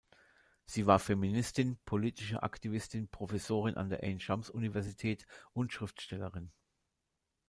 Sie war Feministin, politische Aktivistin, Professorin an der Ain-Schams-Universität und Schriftstellerin.